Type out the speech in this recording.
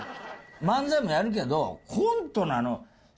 漫才もやるけど。